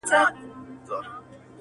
ځان دي هسي کړ ستومان په منډه منډه٫